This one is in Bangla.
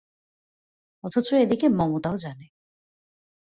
অথচ এদিকে মমতাও জানে।